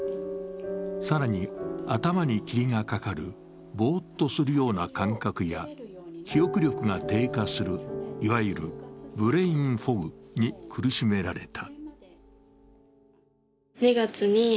更に、頭に霧がかかるボーッとするような感覚や記憶力が低下するいわゆるブレインフォグに苦しめられた。